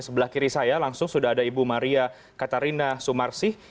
sebelah kiri saya langsung sudah ada ibu maria katarina sumarsih